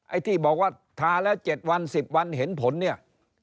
ไอ้ที่บอกว่าทาแล้ว๗วัน๑๐วันเห็นผลเนี่ย